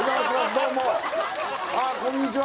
どうもああこんにちは